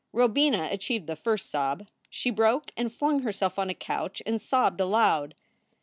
Robina achieved the first sob. She broke and flung herself on a couch and sobbed aloud.